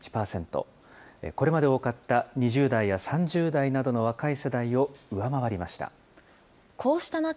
これまで多かった２０代や３０代などの若い世代を上回りました。